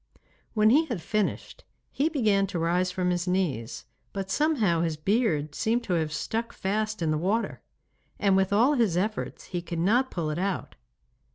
When he had finished he began to rise from his knees, but somehow his beard seemed to have stuck fast in the water, and with all his efforts he could not pull it out.